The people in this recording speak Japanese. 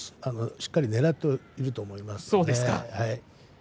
しっかりねらっていると思います。